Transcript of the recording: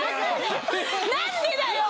何でだよ！